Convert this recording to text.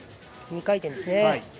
２回転ですね。